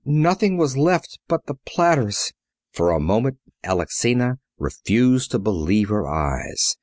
Nothing was left but the platters! For a moment Alexina refused to believe her eyes.